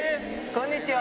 こんにちは。